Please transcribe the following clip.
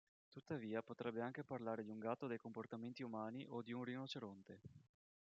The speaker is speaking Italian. Tuttavia, potrebbe anche parlare di un gatto dai comportamenti umani o di un rinoceronte.